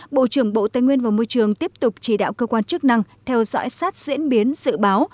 bộ trưởng bộ tây nguyên và môi trường tiếp tục chỉ đạo cơ quan chức năng theo dõi sát diễn biến dự báo